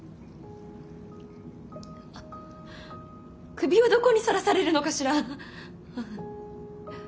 首はどこにさらされるのかしら。